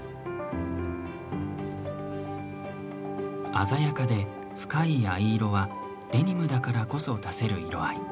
鮮やかで深い藍色はデニムだからこそ出せる色合い。